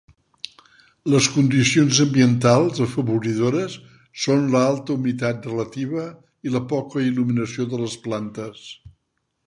Les condicions ambientals afavoridores són l'alta humitat relativa i la poca il·luminació de les plantes.